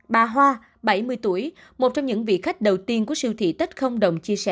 bà hoa bảy mươi tuổi một trong những vị khách đầu tiên của siêu thị tết không đồng chia sẻ